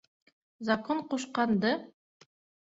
Закон ҡушҡанды...